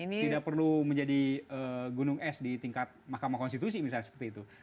tidak perlu menjadi gunung es di tingkat mahkamah konstitusi misalnya seperti itu